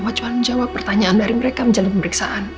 mama cuma menjawab pertanyaan dari mereka menjalani pemeriksaan